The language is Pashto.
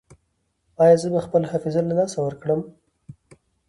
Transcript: ایا زه به خپله حافظه له لاسه ورکړم؟